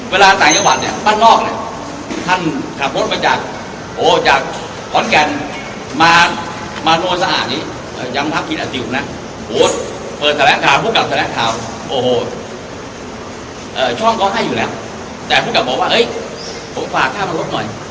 เวลาต่างจังหวัดเนี่ยบ้านนอกเนี่ยท่านขับรถมาจากโอ้จากขอนแก่นมามาโนสะอาดนี้ยังพักกินอาจิ๋วนะโพสต์เปิดแถลงข่าวผู้กลับแถลงข่าวโอ้โหช่องก็ให้อยู่แล้วแต่ผู้กลับบอกว่าเอ้ยผมฝากค่ามารถหน่อย